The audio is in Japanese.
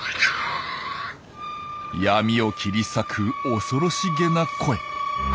闇を切り裂く恐ろしげな声。